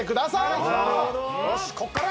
よしここから！